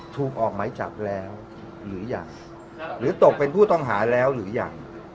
ถูกออกไหมจับแล้วหรือยังหรือตกเป็นผู้ต้องหาแล้วหรือยัง